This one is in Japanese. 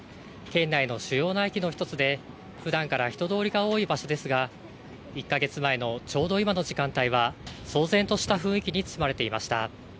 県内の主要な駅の１つでふだんから人通りが多い場所ですが１か月前のちょうど今の時間帯は騒然とした雰囲気に包まれていました。